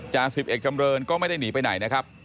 จ่าสิบเอกจำเรินก็ไม่ได้หนีไปไหนนะครับ